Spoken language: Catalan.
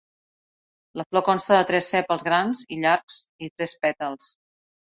La flor consta de tres sèpals grans i llargs i tres pètals.